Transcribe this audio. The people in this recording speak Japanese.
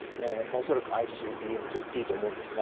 恐らく、ＩＣＢＭと言っていいと思います。